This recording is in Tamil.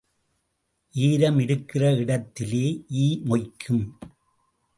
ஈரம் இருக்கிற இடத்திலே ஈ மொய்க்கும்.